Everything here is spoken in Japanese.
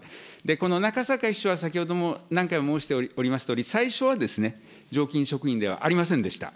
この中坂秘書は先ほども何回も申しておりますとおり、最初は常勤職員ではありませんでした。